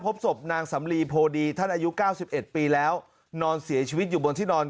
พบศพนางสำลีโพดีท่านอายุ๙๑ปีแล้วนอนเสียชีวิตอยู่บนที่นอน